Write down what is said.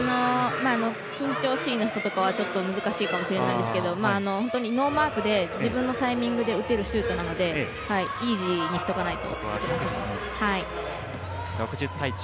緊張しいの人とかはちょっと難しいかもしれないですけど本当にノーマークで自分のタイミングで打てるシュートなのでイージーにしておかないと。